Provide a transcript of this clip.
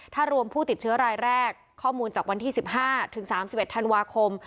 ถ้ารวมผู้ติดเชื้อรายแรกข้อมูลจากวันที่๑๕ถึง๓๑ธันวาคม